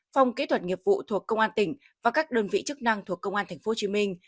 phòng kỹ thuật nghiệp vụ thuộc công an tỉnh và các đơn vị chức năng thuộc công an thành phố hồ chí minh